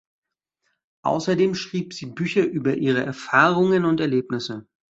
Außerdem schrieb sie Bücher über ihre Erfahrungen und Erlebnisse.